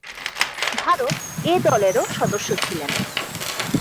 Bharat A দলেরও সদস্য ছিলেন।